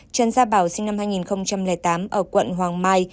trần gia bảo sinh năm hai nghìn tám ở quận hoàng mai